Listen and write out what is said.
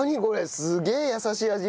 すげえ優しい味！